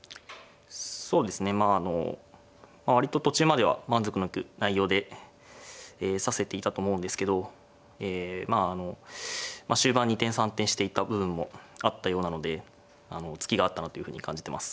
そうですねまああの割と途中までは満足のいく内容で指せていたと思うんですけどえまああの終盤二転三転していた部分もあったようなのでツキがあったなというふうに感じてます。